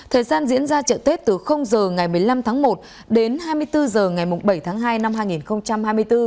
thời gian diễn ra chợ tết từ h ngày một mươi năm tháng một đến hai mươi bốn h ngày bảy tháng hai năm hai nghìn hai mươi bốn